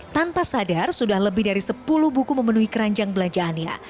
tanpa sadar sudah lebih dari sepuluh buku memenuhi keranjang belanjaannya